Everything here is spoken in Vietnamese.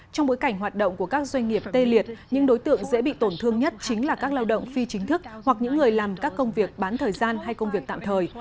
trong bối cảnh hoạt động của các doanh nghiệp tê liệt những đối tượng dễ bị tổn thương nhất chính là các lao động phi chính thức hoặc những người làm các công việc bán thời gian hay công việc tạm thời